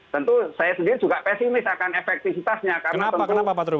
tentu saya sendiri juga pesimis akan efektivitasnya karena tentu